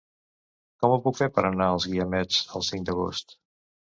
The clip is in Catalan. Com ho puc fer per anar als Guiamets el cinc d'agost?